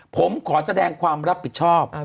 ผมขอแสดงความรับผิดชอบ